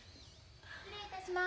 ・失礼いたします。